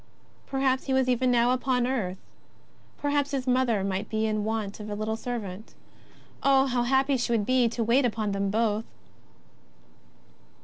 Perhaps He was even now upon earth. Perhaps Plis Mother might be in want of a little servant. Oh, how happy she would be to wait upon them both